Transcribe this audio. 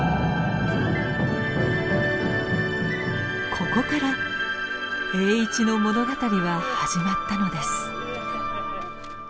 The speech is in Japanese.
ここから栄一の物語は始まったのです。